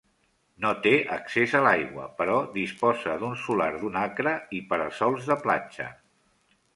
No té accés a l'aigua, però disposa d'un solar d'un acre i para-sols de platja.